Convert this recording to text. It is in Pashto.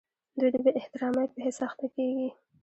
دوی د بې احترامۍ په حس اخته کیږي.